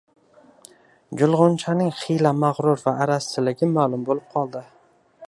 gulg‘unchaning xiyla mag‘rur va arazchiligi ma'lum bo'lib qoldi.